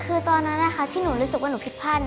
คือตอนนั้นที่หนูรู้สึกว่าหนูผิดพลาด